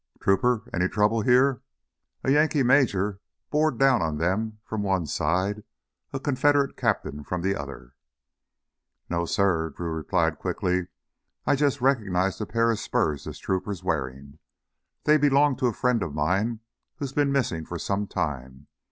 "Trooper, any trouble here?" A Yankee major bore down on them from one side, a Confederate captain from the other. "No, suh," Drew replied quickly. "I just recognized a pair of spurs this trooper is wearin'. They belonged to a friend of mine who's been missin' for some time.